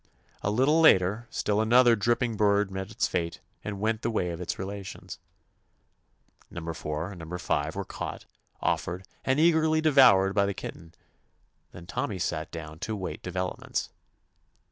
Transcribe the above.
A little later still another dripping bird met its fate and went the way of its relations. Number four and number five were 191 THE ADVENTURES OF caught, offered, and eagerly devoured by the kitten; then Tommy sat down to await developments.